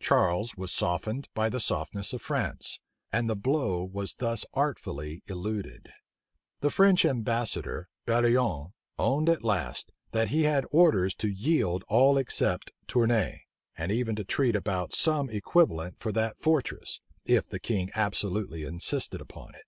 Charles was softened by the softness of France; and the blow was thus artfully eluded. The French ambassador, Barillon, owned at last, that he had orders to yield all except Tournay, and even to treat about some equivalent for that fortress, if the king absolutely insisted upon it.